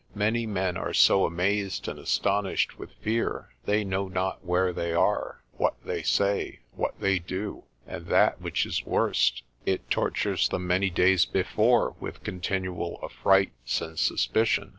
Many men are so amazed and astonished with fear, they know not where they are, what they say, what they do, and that which is worst, it tortures them many days before with continual affrights and suspicion.